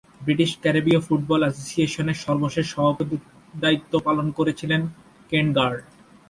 British ক্যারিবীয় football অ্যাসোসিয়েশনের সর্বশেষ সভাপতির দায়িত্ব পালন করেছিলেন কেন্ট গাল্ট।